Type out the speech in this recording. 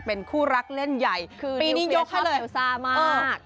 เป็นคู่รักเล่นใหญ่คือนิวเคลียร์ชอบเอวซ่ามาก